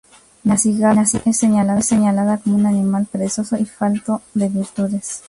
La cigarra es señalada como un animal perezoso y falto de virtudes.